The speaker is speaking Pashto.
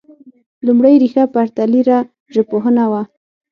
لومړۍ ريښه پرتلیره ژبپوهنه وه